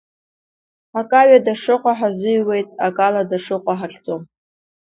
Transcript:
Ак аҩада шыҟоу ҳазыҩуеит, ак алада шыҟоу ҳахьӡом.